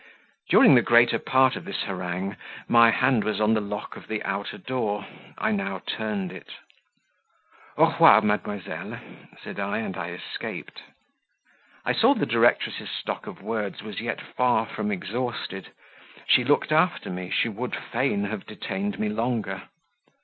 During the greater part of this harangue my hand was on the lock of the outer door; I now turned it. "Au revoir, mademoiselle," said I, and I escaped. I saw the directress's stock of words was yet far from exhausted. She looked after me, she would fain have detained me longer.